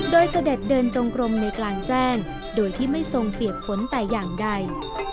โดยเสด็จเดินจงกรมในกลางแจ้งโดยที่ไม่ทรงเปียกฝนแต่อย่างใด